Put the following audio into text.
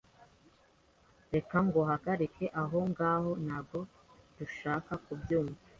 Reka nguhagarike aho ngaho. Ntabwo dushaka kubyumva.